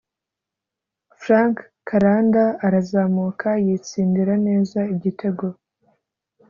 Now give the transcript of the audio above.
Flank Kalanda arazamuka yitsindira neza igitego